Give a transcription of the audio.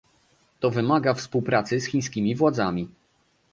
To wymaga współpracy z chińskimi władzami